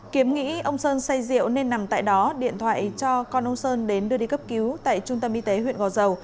kiếm nghĩ ông sơn say rượu nên nằm tại đó điện thoại cho con ông sơn đến đưa đi cấp cứu tại trung tâm y tế huyện gò dầu